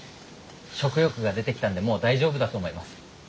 食欲が出てきたんでもう大丈夫だと思います。